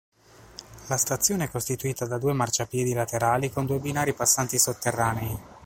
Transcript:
La stazione è costituita da due marciapiedi laterali con due binari passanti sotterranei.